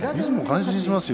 感心しますよ。